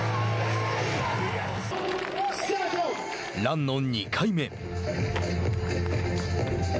ランの２回目。